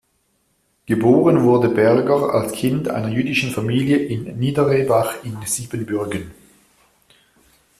Geboren wurde Berger als Kind einer jüdischen Familie in Nieder-Rehbach in Siebenbürgen.